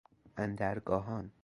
اندر گاهان